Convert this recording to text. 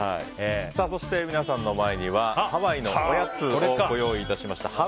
そして、皆さんの前にはハワイのおやつをご用意致しました。